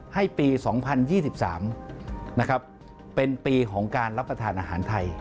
ให้ปี๒๐๒๓นะครับเป็นปีของการรับประทานอาหารไทย